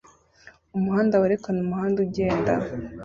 Umuhanda werekana umuhanda ugenda